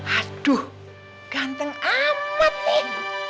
aduh ganteng amat nih